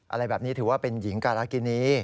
อะไรแบบนี้ถือว่าเป็นหญิงการากินี